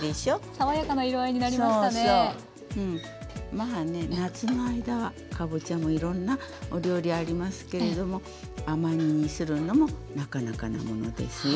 まあね夏の間はかぼちゃもいろんなお料理ありますけれども甘煮にするのもなかなかのものですよ。